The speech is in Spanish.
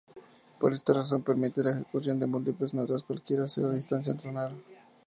Por esta razón, permite la ejecución de múltiples notas cualquiera sea la distancia tonal.